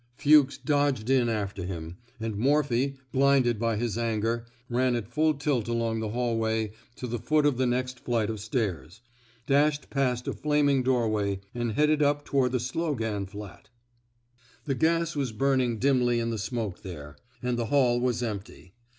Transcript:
Fuchs dodged in after him; and Mor phy, blinded by his anger, ran at full tilt along the hallway to the foot of the next 104 PEIVATE MOEPHY'S EOMANCE flight of stairs, dashed past a flaming doorway, and headed up toward the Slogan flat. The gas was burning dimly in the smoke there; and the hall was empty.